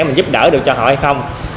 mình giúp đỡ được cho họ hay không